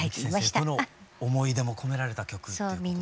先生との思い出も込められた曲っていうことですね。